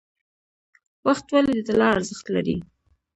وخت ولې د طلا ارزښت لري؟